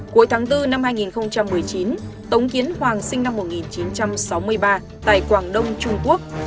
cuối tháng bốn năm hai nghìn một mươi chín tống kiến hoàng sinh năm một nghìn chín trăm sáu mươi ba tại quảng đông trung quốc là người có kiến thức kinh nghiệm về sản xuất các chất khoa học